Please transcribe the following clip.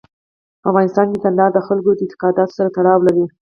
په افغانستان کې کندهار د خلکو د اعتقاداتو سره تړاو لري.